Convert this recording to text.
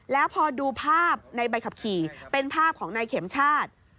แล้วพอดูภาพในใบขับขี่เป็นภาพของนายเข็มชาติ